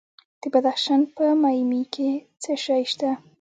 د بدخشان په مایمي کې څه شی شته؟